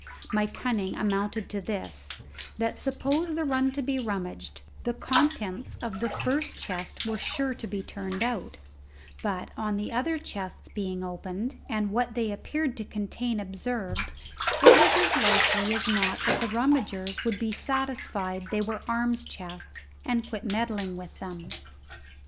My cunning amounted to this: that, suppose the run to be rummaged, the contents of the first chest were sure to be turned out, but, on the other chests being opened, and what they appeared to contain observed, it was as likely as not that the rummagers would be satisfied they were arms chests, and quit meddling with them.